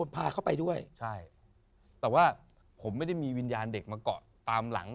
แต่ว่าผมไม่ได้มีวิญญาณเด็กมาเกาะตามหลัง